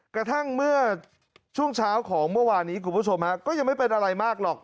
กระทั่งเมื่อช่วงเช้าของเมื่อวานนี้คุณผู้ชมฮะก็ยังไม่เป็นอะไรมากหรอก